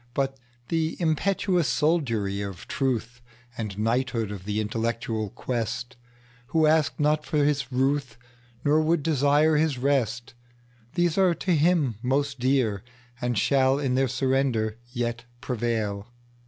But the impetuous soldiery of truth, And knighthood of the intellectual quest, Who ask not for his ruthNor would desire his rest:These are to him most dear, And shall in their surrender yet prevail.